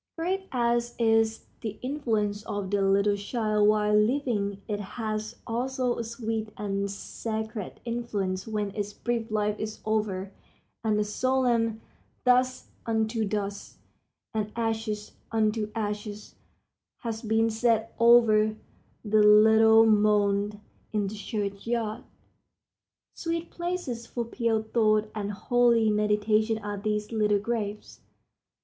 Great as is the influence of the little child while living it has also a sweet and sacred influence when its brief life is over and the solemn "dust unto dust" and "ashes unto ashes" has been said over the little mound in the church yard. Sweet places for pure thought and holy meditation are these little graves.